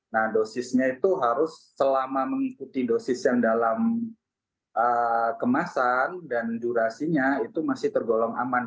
nah dosisnya itu harus selama mengikuti dosis yang dalam kemasan dan durasinya itu masih tergolong aman